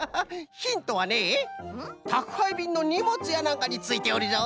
ヒントはねたくはいびんのにもつやなんかについておるぞ！